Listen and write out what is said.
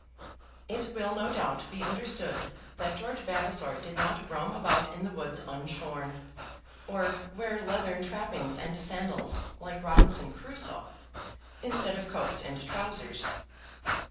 It will no doubt be understood that George Vavasor did not roam about in the woods unshorn, or wear leathern trappings and sandals, like Robinson Crusoe, instead of coats and trousers.